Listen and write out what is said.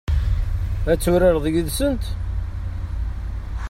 Ad turareḍ yid-sent?